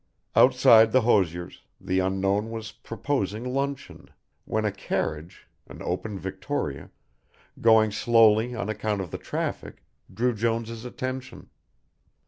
Outside the hosier's, the unknown was proposing luncheon, when a carriage, an open Victoria, going slowly on account of the traffic, drew Jones' attention.